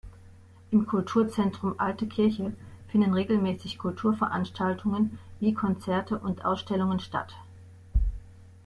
Im "Kulturzentrum „Alte Kirche“" finden regelmäßig Kulturveranstaltungen wie Konzerte und Ausstellungen statt.